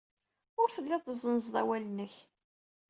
Ur telliḍ twezzneḍ awal-nnek.